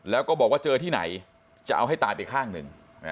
แล้วก็บอกว่าเจอที่ไหนจะเอาให้ตายไปข้างหนึ่ง